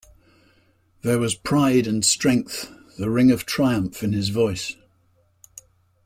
There was pride and strength, the ring of triumph in his voice.